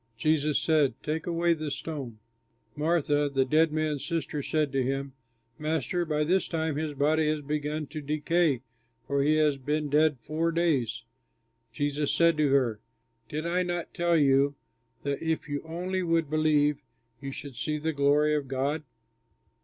Jesus said, "Take away the stone." Martha, the dead man's sister, said to him, "Master, by this time his body has begun to decay, for he has been dead four days." Jesus said to her, "Did I not tell you that if you only would believe you should see the glory of God?"